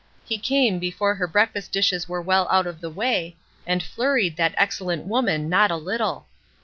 He came before her breakfast dishes were well out of the way, and flurried that excellent woman not a Uttle.